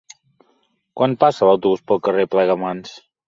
Quan passa l'autobús pel carrer Plegamans?